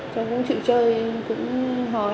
cháu cũng chịu chơi cũng hòa hợp